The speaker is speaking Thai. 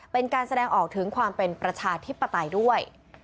เป็นการแสดงออกถึงความเป็นประชาธิปไตยด้วย